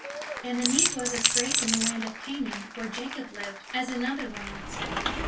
And the need was as great in the land of Canaan, where Jacob lived, as in other lands.